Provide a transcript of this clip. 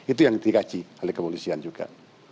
itu yang dikaji oleh kepolisian juga